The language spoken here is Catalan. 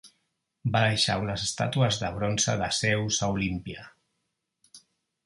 Va deixar unes estàtues de bronze de Zeus a Olímpia.